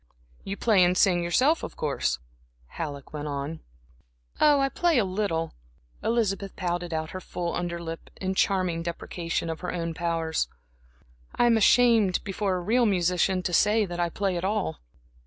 "You play or sing yourself, of course?" Halleck went on. "Oh, I play a little," Elizabeth pouted out her full under lip, in charming deprecation of her own powers. "I am ashamed, before a real musician, to say that I play at all."